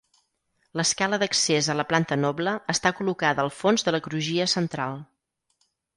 L'escala d'accés a la planta noble està col·locada al fons de la crugia central.